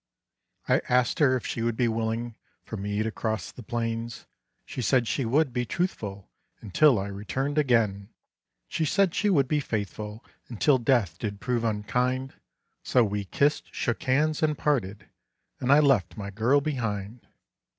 I asked her if she would be willing for me to cross the plains; She said she would be truthful until I returned again; She said she would be faithful until death did prove unkind, So we kissed, shook hands, and parted, and I left my girl behind.